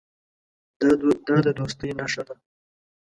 دا د دوستۍ نښه ده.